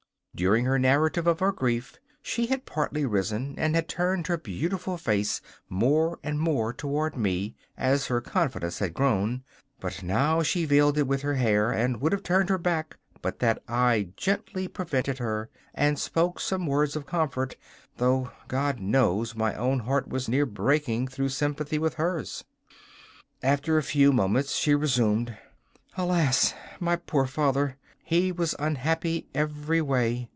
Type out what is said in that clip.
During the narrative of her grief she had partly risen and had turned her beautiful face more and more toward me as her confidence had grown; but now she veiled it with her hair, and would have turned her back but that I gently prevented her and spoke some words of comfort, though God knows my own heart was near breaking through sympathy with hers. After a few moments she resumed: 'Alas, my poor father! he was unhappy every way.